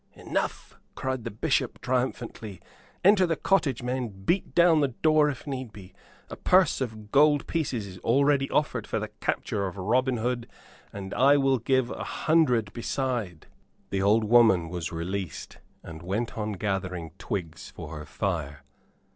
"Enough!" cried the Bishop, triumphantly. "Enter the cottage, men; beat down the door, if need be. A purse of gold pieces is already offered for the capture of Robin Hood, and I will give a hundred beside!" The old woman was released, and went on gathering twigs for her fire.